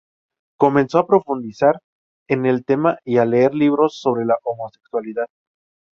Comenzó a profundizar en el tema y a leer libros sobre la homosexualidad.